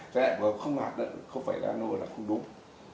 rồi không hạt nano là không đúng